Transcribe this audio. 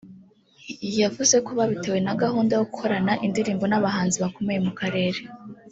yavuze ko babitewe na gahunda yo gukorana indirimbo n’abahanzi bakomeye mu karere